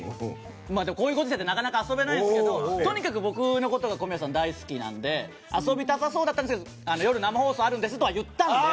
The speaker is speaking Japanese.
こういうご時世でなかなか遊べないんですけど僕のことを小宮さんは大好きなので遊びたそうだったんですが夜、生放送があると言ったので。